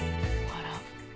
あら。